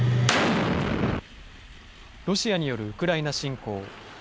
ロシアによるウクライナ侵攻。